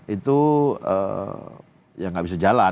itu ya nggak bisa jalan